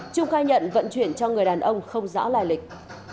trung khai nhận vận chuyển cho người đàn ông không rõ lai lịch